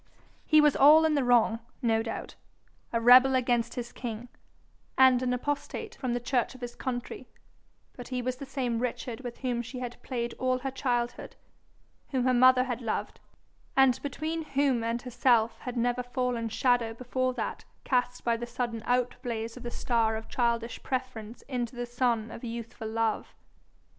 He was all in the wrong, no doubt a rebel against his king, and an apostate from the church of his country; but he was the same Richard with whom she had played all her childhood, whom her mother had loved, and between whom and herself had never fallen shadow before that cast by the sudden outblaze of the star of childish preference into the sun of youthful love.